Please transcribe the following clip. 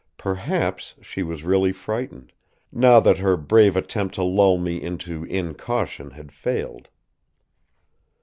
Perhaps she was really frightened, now that her brave attempt to lull me into incaution had failed.